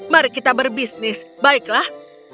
mari kita berbisnis baiklah